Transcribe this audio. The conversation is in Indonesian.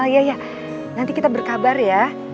iya ya nanti kita berkabar ya